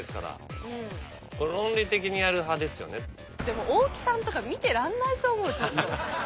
でも大木さんとか見てらんないと思う。